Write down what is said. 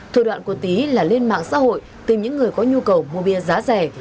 thủ đoạn của tý là lên mạng xã hội tìm những người có nhu cầu mua bia giá rẻ